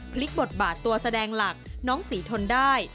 พลิกบทบาทตัวแสดงหลักน้องศรีทนได้